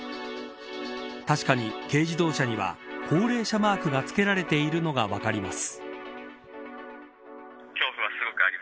確かに、軽自動車には高齢者マークが付けられているのが分かります。